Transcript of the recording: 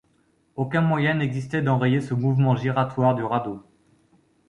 Aucun moyen n’existait d’enrayer ce mouvement giratoire du radeau.